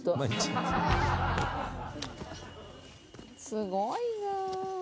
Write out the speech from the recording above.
すごいな。